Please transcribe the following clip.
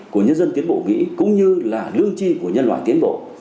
của nhân dân tiến bộ mỹ cũng như là lương chi của nhân loại tiến bộ